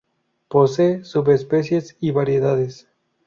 Posee subespecies y variedades.